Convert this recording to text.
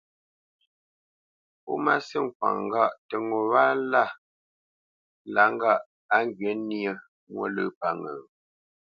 Pó má sî kwaŋnə́ ŋgâʼ tə ŋo wâ á lǎ ŋgâʼ á ghyə̂ nyé mwô lâ pə́ ŋə?